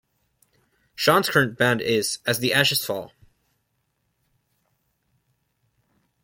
Sean's current band is "As The Ashes Fall".